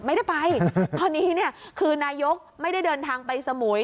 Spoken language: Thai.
ไม่ได้ไปตอนนี้เนี่ยคือนายกไม่ได้เดินทางไปสมุย